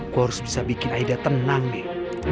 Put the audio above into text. gue harus bisa bikin aida tenang nih